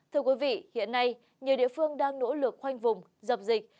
thưa quý vị hiện nay nhiều địa phương đang nỗ lực khoanh vùng dập dịch